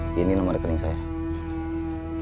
uangnya kamu setor sama uang yang hari senin